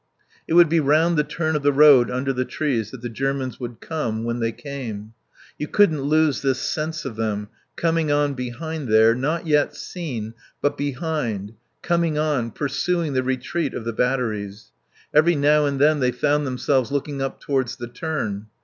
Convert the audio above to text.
It would be round the turn of the road under the trees that the Germans would come when they came. You couldn't lose this sense of them, coming on behind there, not yet seen, but behind, coming on, pursuing the retreat of the batteries. Every now and then they found themselves looking up towards the turn.